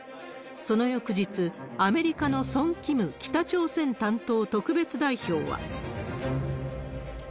その翌日、アメリカのソン・キム北朝鮮担当特別代表は。